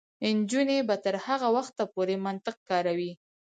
نجونې به تر هغه وخته پورې منطق کاروي.